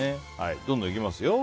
どんどんいきますよ。